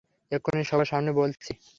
এক্ষুনি সবার সামনে বলছি!